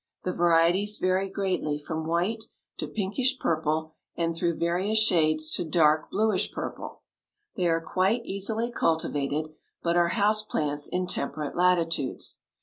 The varieties vary greatly from white to pinkish purple and through various shades to dark, bluish purple. They are quite easily cultivated, but are house plants in temperate latitudes.